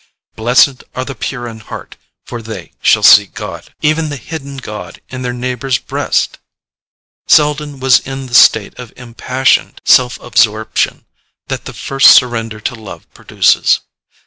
BLESSED ARE THE PURE IN HEART, FOR THEY SHALL SEE GOD—even the hidden god in their neighbour's breast! Selden was in the state of impassioned self absorption that the first surrender to love produces.